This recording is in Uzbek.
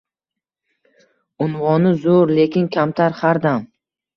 Unvoni zur lek kamtar xar dam